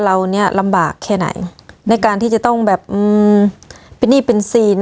เราเนี้ยลำบากแค่ไหนในการที่จะต้องแบบอืมเป็นหนี้เป็นซีน